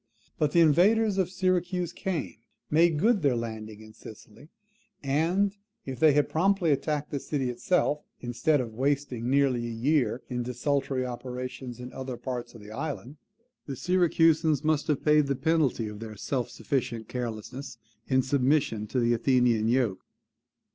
But the invaders of Syracuse came; made good their landing in Sicily; and, if they had promptly attacked the city itself, instead of wasting nearly a year in desultory operations in other parts of the island, the Syracusans must have paid the penalty of their self sufficient carelessness in submission to the Athenian yoke.